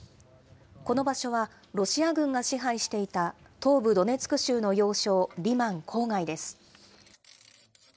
この場所は、ロシア軍が支配していた東部ドネツク州の要衝リマン郊外です。